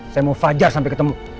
saya mau fajar sampai ketemu